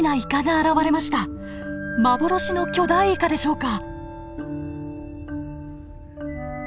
幻の巨大イカでしょうか？